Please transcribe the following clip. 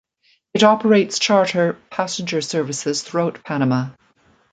It operates charter passenger services throughout Panama.